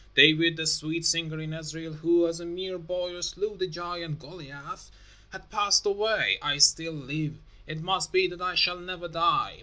David, the sweet singer in Israel, who, as a mere boy slew the giant Goliath, has passed away. I still live. It must be that I shall never die.